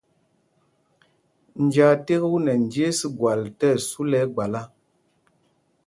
Njāā ték u nɛ njes gwal tí ɛsu lɛ ɛgbala.